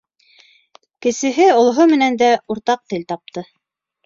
Кесеһе, олоһо менән дә уртаҡ тел тапты.